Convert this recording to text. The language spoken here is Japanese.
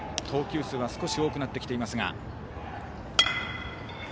投球数が少し多くなってきています。